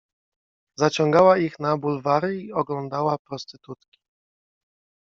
Zaciągała ich na bulwary i oglą dała prostytutki.